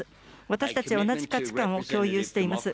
私たちは同じ価値観を共有しています。